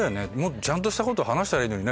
ちゃんとしたこと話したらいいのにね